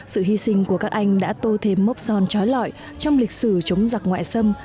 sự hy sinh của các anh đã tô thêm mốc son trói lọi trong lịch sử chống giặc ngoại xâm